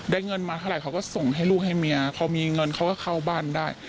เงินมาเท่าไหร่เขาก็ส่งให้ลูกให้เมียพอมีเงินเขาก็เข้าบ้านได้